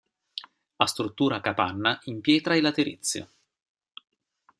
Ha struttura a capanna in pietra e laterizio.